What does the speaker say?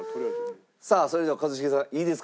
さあそれでは一茂さんいいですか？